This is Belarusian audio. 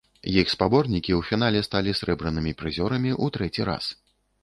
Іх спаборнікі ў фінале сталі срэбранымі прызёрамі ў трэці раз.